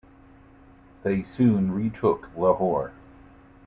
They soon retook Lahore.